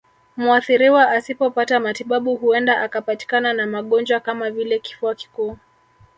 Muathiriwa asipopata matibabu huenda akapatikana na magonjwa kama vile kifua kikuu